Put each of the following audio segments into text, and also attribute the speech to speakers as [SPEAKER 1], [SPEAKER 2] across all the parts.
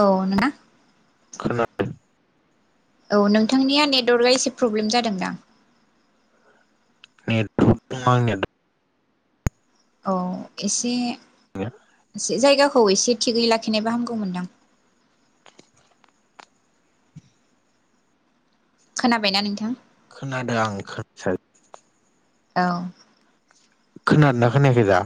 [SPEAKER 1] औ ना
[SPEAKER 2] खोनादों
[SPEAKER 1] औ नोंथांनिया नेटवार्कआ एसे प्रब्लेम जादोंदां
[SPEAKER 2] नेट थ' दं आंनिया
[SPEAKER 1] औ एसे
[SPEAKER 2] दंनाया
[SPEAKER 1] एसे जायगा खौ एसे थिगै लाखिनायबा हामगौमोनदां खोनाबायना नोंथां
[SPEAKER 2] खोनादों आं [unintelligible]
[SPEAKER 1] औ
[SPEAKER 2] खोनादों ना खोनायाखै दा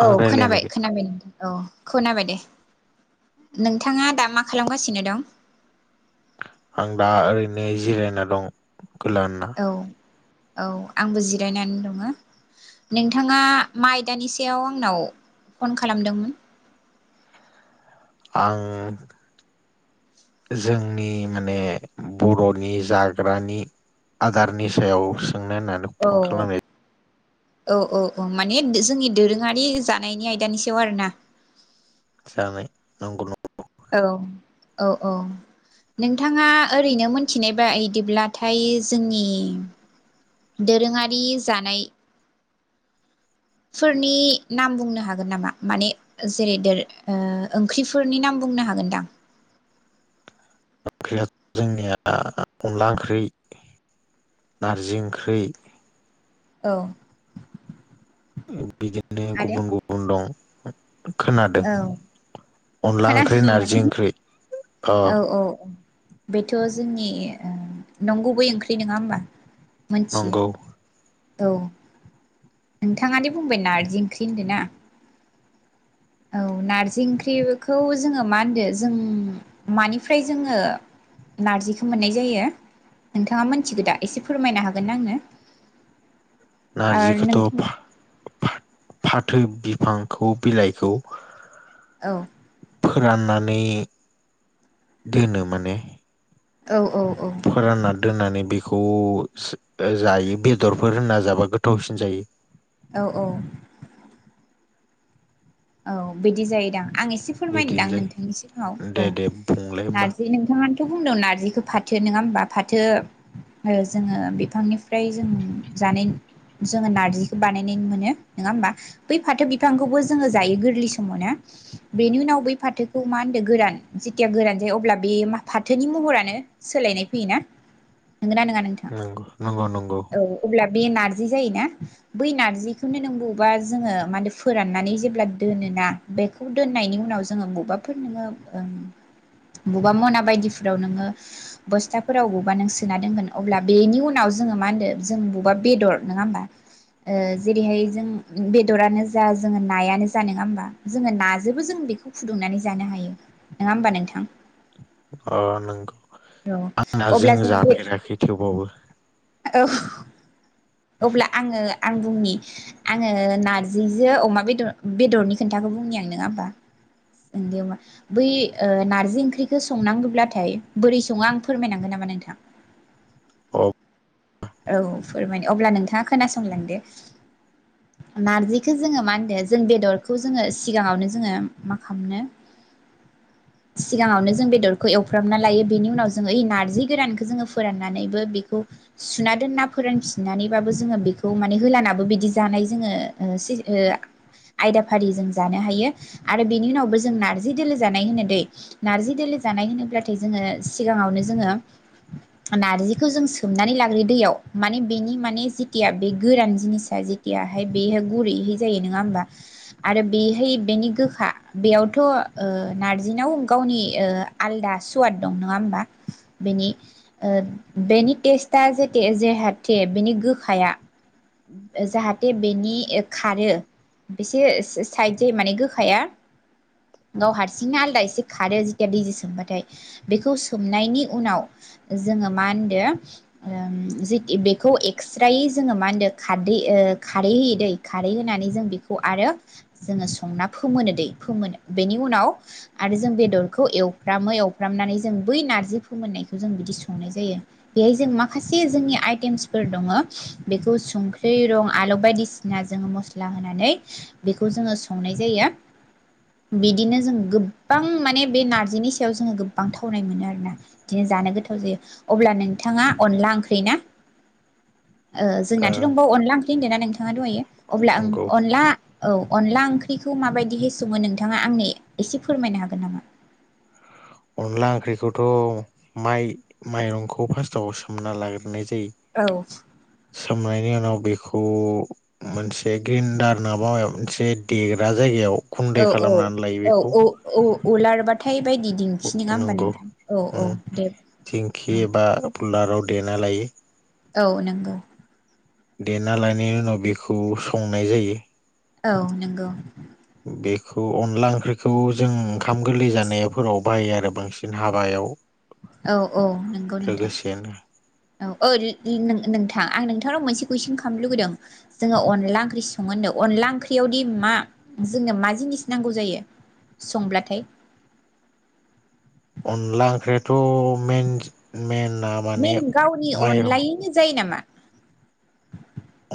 [SPEAKER 1] औ
[SPEAKER 2] आं
[SPEAKER 1] खोनाबाय
[SPEAKER 2] रायलायनायखौ
[SPEAKER 1] खोनाबाय नोंथां औ खोनाबाय दे नोंथाङा दा मा खालामगासिनो दं
[SPEAKER 2] आं दा ओरैनो जिरायना दं गोलानना
[SPEAKER 1] औ औ आंबो जिरायनानै दङ नोंथाङा मा आइदानि सायाव आंनाव फन खालामदोंमोन
[SPEAKER 2] आं जोंनि माने बर'नि जाग्रानि आदारनि सायाव सोंनो होननानै फन
[SPEAKER 1] औ
[SPEAKER 2] खालामनाय
[SPEAKER 1] औ औ औ माने जोंनि दोरोङारि जानायनि आयदानि सायाव आरोना
[SPEAKER 2] जानाय नंगौ नंगौ
[SPEAKER 1] औ औ औ नोंथाङा ओरैनो मोनथिनाय बायबिदिब्लाथाय जोंनि दोरोङारि जानाय फोरनि नाम बुंनो हागोन नामा माने जेरै दोरो ओ ओंख्रिफोरनि नाम बुंनो हागोनदां
[SPEAKER 2] ओंख्रिया जोंनिया अनला ओंख्रि नारजि ओंख्रि
[SPEAKER 1] औ
[SPEAKER 2] उम बिदिनो
[SPEAKER 1] आदाया
[SPEAKER 2] गुबुन गुबुन दं हम खोनादों
[SPEAKER 1] औ
[SPEAKER 2] अनला ओंख्रि
[SPEAKER 1] खोनादों माने
[SPEAKER 2] नारजि ओंख्रि अ
[SPEAKER 1] औ औ बेथ' जोंनि नंगुबै ओंख्रि नोङा होमबा मोनथियो
[SPEAKER 2] नंगौ
[SPEAKER 1] औ नोंथाङादि बुंबाय नारजि ओंख्रि होनदों ना औ नारजि ओंख्रिखौ जोङो मा होनदों जों मानिफ्राय जोङो नारजिखौ मोननाय जायो नोंथाङा मोनथिगो दा एसे फोरमायनो हागोन आंनो आरो
[SPEAKER 2] नारजिखौथ'
[SPEAKER 1] नोंथां
[SPEAKER 2] फा फा फा थो बिफांखौ बिलाइखौ
[SPEAKER 1] औ
[SPEAKER 2] फोराननानै दोनो माने
[SPEAKER 1] औ औ औ
[SPEAKER 2] फोरानना दोननानै बे खौ जायो बेदरफोर होनना जाबा गोथावसिन जायो
[SPEAKER 1] औ औ औ बिदि जायोदां आं एसे फोरमायनोदां
[SPEAKER 2] बिदिनो जायो
[SPEAKER 1] नोंथांनि सिगाङाव औ
[SPEAKER 2] दे दे बुंलाय होमबा
[SPEAKER 1] नारजि नोंथाङानोथ' बुंदों नारजिखौ फाथो नोङा होमबा फाथो जोङो बिफांनिफ्राय जों जानाय जोङो नारजिखौ बानायनाय मोनो नङा होमबा बै फाथो बिफांखौबो जोङो जायो गोरलै समावना बेनि उनाव बै फाथोखौ मा होनदों गोरान जेथिया गोरान जायो अब्ला बे फाथोनि महरानो सोलायनाय फैयोना नोंगोना नङा नोंथां
[SPEAKER 2] नंगौ नंगौ नंगौ
[SPEAKER 1] औ अब्ला बे नारजि जायोना बै नारजिखौनो नों बबावेबा जोङो माने फोराननानै जे [unintelligible] दोनोना बे दोनायनि उनाव जोङो बबेबाफोर नो बबेबा मना बायदिफोराव नोङो बस्थाफोराव बबेबा नों सोना दोनगोन अब्ला बेनि उनाव जोङो मा होनो जों बबेबा बेदर नङा होमबा जेरैहाय जों बेदरानो जा जो नायानो जा नङा होमबा जोङो नाजोबो जों बेखौ फुदुंनानै जानो हायो नङा होमबा नोंथां
[SPEAKER 2] अ नंगौ आंना जों
[SPEAKER 1] अब्ला जोङो बे
[SPEAKER 2] जाफेराखै थेवबावबो
[SPEAKER 1] औ अब्ला आङो आं बुंनि आङो नार्जिजों अमा बेदर बेदरनि खोन्थाखौ बुंनि आं नङा होमबा दे होनबा बै नार्जि ओंख्रिखौ संनांगौब्लाथाय बोरै सङो आं फोरमायनांगोन नामा नोंथां
[SPEAKER 2] औ
[SPEAKER 1] औ फोरमायनो अब्ला नोंथाङा खोनासंलांदो नारजिखौ जोङो मा होनदों जों बेदरखौ जोङो सिगाङावनो जोङो मा खामनो सिगाङावनो जों बेदरखौ एवफ्रामना लायो बेनि उनाव जोङो ओइ नार्जि गोरानखौ जोङो फोराननानैबो बेखौ सुना दोनना फोरानफिननानैबाबो जोङो बेखौ माने होलानाबो बिदि जानाय जोङो आयदाफारि जों जानो हायो आरो बेनि उनावबो जों नार्जि दोलो जानाय होनो दै नार्जि दोलो जानाय होनोब्लाथाय जोङो सिगाङावनो जोङो नार्जिखौ जों सोमनानै ला दैयाव माने बेनि माने जेथिया बे गोरान जिनिसा जेथियाहाय बेहाय गुरैहै जायो नोङा होमबा आरो बेहाय बेनि गोखा बेयावथ' ओ नारजिनाव गावनि आलदा सुवाद दं नङा होमबा बेनि बेनि टेस्ट दा जे जाहाथे बेनि गोखाया जाहाथे बेनि खारो बेसे साइद जायो माने गोखाया गाव हारसिंनो आलादा एसे खारो जेथिया दैजों सोमबाथाय बेखौ सोमनायनि उनाव जोङो मा होनदो बेखौ एक्स्रायै जोङो मा होनदों खारदै खारै होयो दै खारै होनानै जों बेखौ आरो जोङो संना फोमोनो दै फोमोनो बेनि उनाव आरो जों बेदरखौ एवफ्रामो एवफ्रामनानै जों बै नारजि फोमोननायखौ जों बिदि संनाय जायो बेहाय जों मा खासे जोंनि आइटेमसफोर दङ बेखौ संख्रि रं आलौ बायदिसिना जोङो मस्ला होनानै बेखौ जोङो संनाय जायो बिदिनो जों गोबां माने बे नारजिनि सायाव जोङो गोबां थावनाय मोनो आरोना बिदिनो जानो गोथाव जायो अब्ला नोंथाङा अनला ओंख्रि ना ओ जोंनाथ' दंबावो अनला ओंख्रि होनदों ना नोंथाङा दंहायो अब्ला आं
[SPEAKER 2] नंगौ
[SPEAKER 1] अनला औ अनला ओंख्रिखौ माबायदि हो सङो नोंथाङा आंनो एसे फोरमायनो हागोन नामा
[SPEAKER 2] अनला ओंख्रिखौथ' माइ माइरंखौ फास्स्टआव सोमना लाग्रोननाय जायो
[SPEAKER 1] औ
[SPEAKER 2] सोमनायनि उनाव बेखौ मोनसे ग्रिनडार नाङाबा मोनसे देग्रा जायगायाव
[SPEAKER 1] औ
[SPEAKER 2] गुन्दै
[SPEAKER 1] औ
[SPEAKER 2] खालामनानै लायो बेखौ
[SPEAKER 1] औ औ उलारबाथाय बायदि दिन्थियो नोङा होमबा
[SPEAKER 2] नंगौ
[SPEAKER 1] नोंथां औ औ
[SPEAKER 2] उम
[SPEAKER 1] दे
[SPEAKER 2] दिंखि
[SPEAKER 1] औ
[SPEAKER 2] एबा उलाराव देना लायो
[SPEAKER 1] औ नंगौ
[SPEAKER 2] देना लनायनि उनाव बेखौ संनाय जायो
[SPEAKER 1] औ नंगौ
[SPEAKER 2] बेखौ अनला ओंख्रिखौ जों ओंखाम गोरलै जानायफोराव बाहायो आरो बांसिन हाबायाव
[SPEAKER 1] औ औ नंगौ नोंथां
[SPEAKER 2] लोगोसेनो
[SPEAKER 1] औ औ नोंथां आं नोंथांनाव मोनसे कुइसन खालामनो लुुबैदों जोङो अनला ओंख्रि सङो होनदों अनला ओंख्रियावदि मा जोंनो मा जिनिस नांगौ जायो संब्लाथाय
[SPEAKER 2] अनला ओंख्रिथ' मेन माने
[SPEAKER 1] मेन गावनि
[SPEAKER 2] माइरं
[SPEAKER 1] अनलायैनो जायो नामा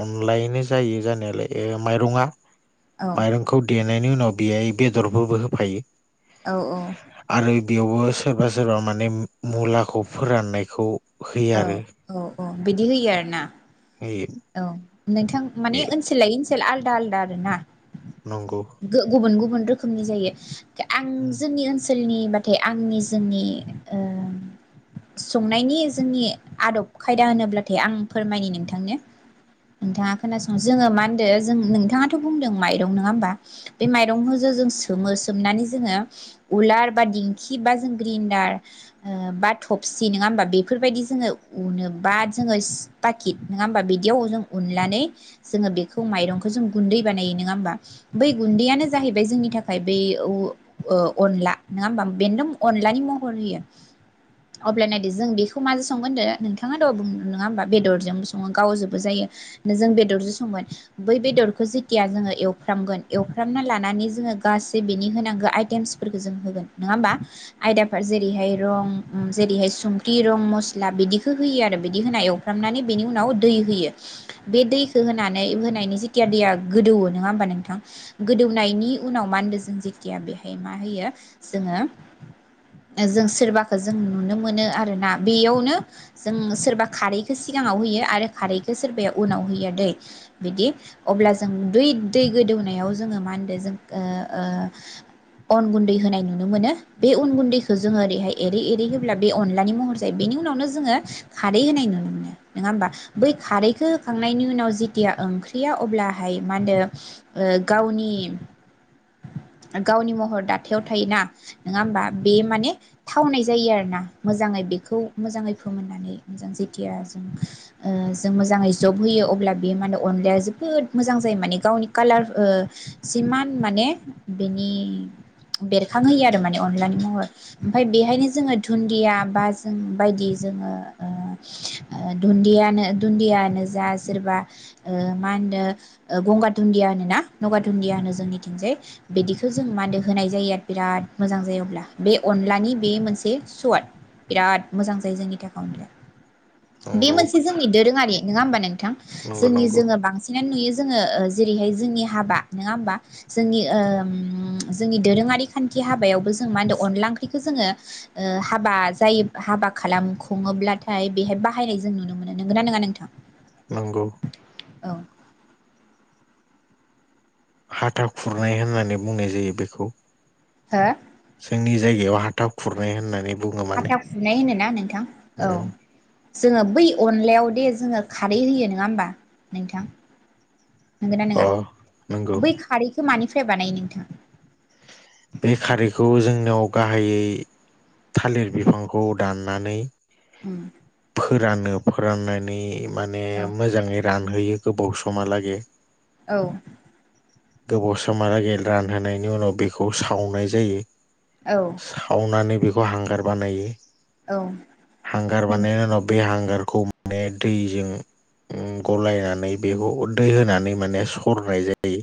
[SPEAKER 2] अनलायैनो जायो जानायालाय माइरङा
[SPEAKER 1] औ
[SPEAKER 2] माइरंखौ दे नायनि उनाव बेयाय बेदरफोरबो होफायो
[SPEAKER 1] औ औ
[SPEAKER 2] आरो बेयावबो सोरबा सोरबा माने मुलाखौ फोराननायखौ होयो
[SPEAKER 1] औ
[SPEAKER 2] आरो
[SPEAKER 1] औ औ बिदि होयो आरोना
[SPEAKER 2] होयो
[SPEAKER 1] औ नोंथां माने
[SPEAKER 2] बे
[SPEAKER 1] ओनसोल लायै ओनसोल आलदा आलदा आरो ना
[SPEAKER 2] नंगौ
[SPEAKER 1] गुबुन गुबुन गुबुन रोखोमनि जायो आं जोंनि ओनसोल ओनसोलनिबाथाय आंनि जोंनि ओ संनायनि जोंनि आदब खायदा होनोब्लाथाय आं फोरमायनि नोंथांनो नोंथाङा खोनासं जोङो मा होनदो जों नोंथाङाथ' बुंदों माइरं नङा होमबा बे माइरंखौ जो जों सोमो सोमनानै जोङो उलार बा दिंखि बा जों ग्रिन्दार ओ बा थबसि नङा होमबा बेफोरबायदि जोङो उनो बा जोङो पाकिट नङा होमबा बिद बिदियाव जों उननानै जोङो बेखौ माइरंखौ जों गुन्दै बानायो नोङा होमबा बै गुन्दैयानो जाहैबाय जोंनि थाखाय बै ओ अनला नोङा होमबा बेन्दों अनलानि महर होयो अब्लानिया जों बेखौ माजों संगोन होनदो नोंथाङा द' नङा होमा बेदरजों सङो गाव ज जायो जों बेदरजों संगोन बै बेदरखौ जेथिया जोङो एवफ्रामगोन एवफ्रामना लानानै जोङो गासै बिनि होनांगो आइटेमसफोरखौ जों होगोन नोङा होमबा आयटेमफोर जेरैहाय रं जेरैहाय संख्रि रं मस्ला बिदिखौ होयो आरो बिदि होना एवफ्रामनानै बिनि उनाव दै होयो बे दैखौ होनानै होनायनि जेथिया दैया गोदौओ नोङा होमबा नोंथां गोदौनायनि उनाव मा होनदों जों जेथिया बेहाय मा होयो जोङो जों सोरबाखो जों नुनो मोनो आरोना बेयावनो जों सोरबा खारैखौ सिगाङाव होयो आरो खारै सोरबाया उनाव होया दै बिदि अब्ला जों दै दै गोदौनायाव जोङो मा होनो जों ओ ओ अन गुन्दै होनाय नुनो मोनो बे अन गुन्दैखौ जोङो ओरैहाय एरै एरै होब्ला बे अनलानि महर जायो बेनि उनावनो जोङो खारै होनाय नुनो मोनो नोङा होमबा बै खारैखौ होखांनायनि उनाव जेथिया ओंख्रिया अब्लाहाय मा होनदो ओ गावनि गावनि महर दाथायाव थायोना नोङा होमबा बे माने थावनाय जायो आरो ना मोजाङै बेखौ मोजाङै फोमोननानै मोजां जेथिया जों ओ जों मोजाङै जबहोयो अब्ला बेयो माने अनलाया जोबोद मोजां जायो माने गावनि कालार ओ सिमान माने बेनि बेरखांहोयो आरो माने अनलानि महर ओमफाय बेहायनो जोङो धुन्दिया बा जों बायदि जोङो ओ धुन्दियानो दुन्दिया होननो जा सोरबा मा होनो गंगार दुन्दिया होनोना गंगार दुन्दिया होनो जोंनिथिंजाय बिदिखौ जों मा होनदो होनाय जायो आरो बिराद मोजां जायो अब्ला बे अनलानि बे मोनसे सवाद बिराद मोजां जायो जोंनि थाखाय अनलाया बे
[SPEAKER 2] नंगौ
[SPEAKER 1] मोनसे जोंनि दोरों नङा होनबा नोंथां
[SPEAKER 2] नंगौ
[SPEAKER 1] जोंनि
[SPEAKER 2] नंगौ
[SPEAKER 1] जोङो बांसिनानो नुयो जोङो जेरैहाय जोंनि हाबा नोङा हाबा जोंनि ओ जोंनि दोरोङारि खान्थि हाबायावबो जों मा होन अनला ओंख्रिखौ जोङो ओ हाबा जायो हाबा खालाम खुङोब्लाथाय बेहाय बाहायनाय जों नुनो मोनो नोंगोना नोंआ नों थां
[SPEAKER 2] नंगौ
[SPEAKER 1] औ
[SPEAKER 2] हाथा खुरनाय होननानै बुंनाय जायो बेखौ
[SPEAKER 1] हो
[SPEAKER 2] जोंनि जायगायाव हाथा खुरनाय होननानै बुङो माने
[SPEAKER 1] हाथा खुरनाय होनोना नोंथां औ
[SPEAKER 2] उम
[SPEAKER 1] जोङो बै अनलायाव दे जोङो खारै होयो नोङा होमबा नोंथां नंगो ना नङा
[SPEAKER 2] अ नंगौ
[SPEAKER 1] बै खारैखौ मानि था फ्राय बानायो नोंथां
[SPEAKER 2] बे खारैखौ जोंनियाव गाहायै थालिर बिफांखौ दाननानै
[SPEAKER 1] [unintelligible]
[SPEAKER 2] रानो फोराननानै माने
[SPEAKER 1] औ
[SPEAKER 2] मोजाङै रान होयो गोबाव समा लागे
[SPEAKER 1] औ
[SPEAKER 2] गोबाव समालागे रानहोनायनि उनाव बे खौ सावनाय जायो
[SPEAKER 1] औ
[SPEAKER 2] सावनानानै बेख खौ हांगार बानायो
[SPEAKER 1] औ
[SPEAKER 2] हांगार
[SPEAKER 1] नोंथां
[SPEAKER 2] बानायनायनि उनाव बे हांगार खौ माने दैजों उम गलायनानै बेखौ दै होनानै माने सरनाय जायो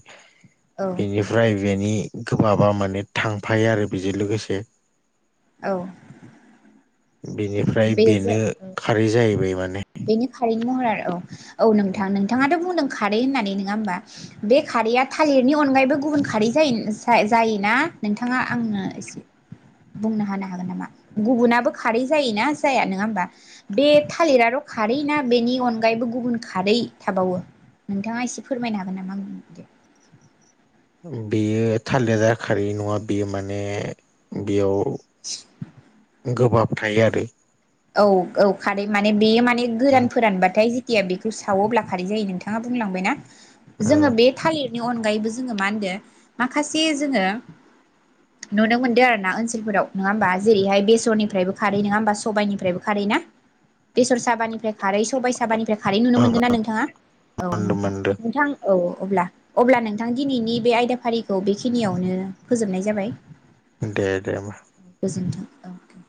[SPEAKER 1] औ
[SPEAKER 2] बेनिफ्राय बेनि गोबाबा माने थांफायो आरो बेजों लोगोसे
[SPEAKER 1] औ
[SPEAKER 2] बिनिफ्राय
[SPEAKER 1] बेजों
[SPEAKER 2] बेनो
[SPEAKER 1] औ
[SPEAKER 2] खारै जाहैबाय माने
[SPEAKER 1] बेनि खारैनि महरा औ औ नोंथां नोंथाङाथ' बुंदों खारै होननानै नोङा होनबा बे खारैया थालिरनि अनगायैबो गुबुन खारै जायोना नोंथाङा आंनो एसे बुंनो हानो हागोन नामा गुबुनाबो खारै जायोना जाया नोङा होमबा बे थालिराथ' खारै ना बेनि अनगायैबो गुबुन खारै थाबावो नोंथाङा एसे फोरमायनो हागोन नामा बुं
[SPEAKER 2] बेयो थालेरा खारै नङा बेयो माने बेयाव
[SPEAKER 1] [unintelligible]
[SPEAKER 2] गोबाब थायो आरो
[SPEAKER 1] औ औ खारै माने बेयो माने गोरान
[SPEAKER 2] ओम
[SPEAKER 1] फोरानबाथाय या बेखौ सावोब्ला खारै जायो नोंथाङा बुंलांबायना जोङो
[SPEAKER 2] ओम
[SPEAKER 1] बे थालिर अनगायैबो जोङो मा होनदों माखासे जोङो नुनो मोनदो आरो ना ओनसोलाव नोङा होनबा जेरैहाय बेसरनिफ्रायबो खारै नङा होनबा सबाइनिफ्राय खार ना बेसर साबानिफ्राय खारै सबाय साबानिफ्राय खारै खारै नुनो
[SPEAKER 2] ओं ओं
[SPEAKER 1] मोनदों ना नोंथाङा औ
[SPEAKER 2] मोनदों
[SPEAKER 1] नोंथां
[SPEAKER 2] मोनदों
[SPEAKER 1] नोंथां औ अब्ला अब्ला नोंथां दिनैनि बे आयदाफारिखौ बेखिनियावनो फोजोबनाय जाबाय
[SPEAKER 2] दे दे होमबा
[SPEAKER 1] गोजोन्थों औके